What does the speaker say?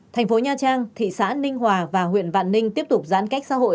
thành phố nha trang thị xã ninh hòa và huyện vạn ninh tiếp tục giãn cách xã hội